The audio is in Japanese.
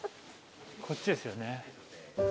こっちですよね。